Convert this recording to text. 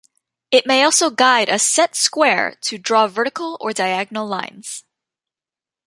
It may also guide a set square to draw vertical or diagonal lines.